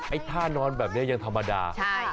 ท่านอนแบบนี้ยังธรรมดา